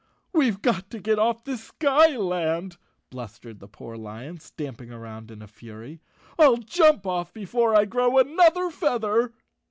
"We've got to get off this skyland," blustered the poor lion, stamping around in a fury. "Til jump off before I grow another feather."